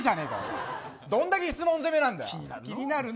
どんだけ質問攻めなんだよ！